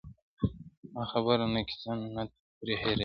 نه خبره نه کیسه ترې هېرېدله.!